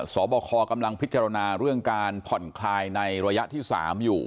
บคกำลังพิจารณาเรื่องการผ่อนคลายในระยะที่๓อยู่